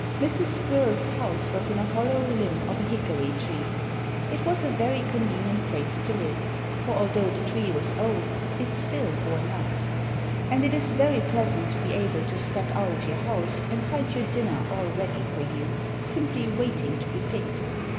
Mrs. Squirrel's house was in a hollow limb of a hickory tree. It was a very convenient place to live; for although the tree was old, it still bore nuts. And it is very pleasant to be able to step out of your house and find your dinner all ready for you simply waiting to be picked.